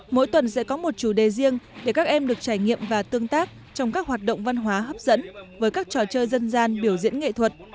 mỗi tuần sẽ có một chủ đề riêng để các em được trải nghiệm và tương tác trong các hoạt động văn hóa hấp dẫn với các trò chơi dân gian biểu diễn nghệ thuật